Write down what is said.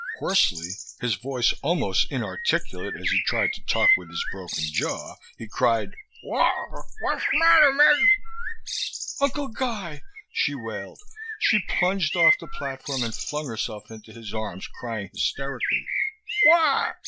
Hoarsely, his voice almost inarticulate as he tried to talk with his broken jaw, he cried, "Wha ... Wha's ... matter, Meg? "Uncle Guy!" she wailed. She plunged off the platform and flung herself into his arms, crying hysterically. "_Wha?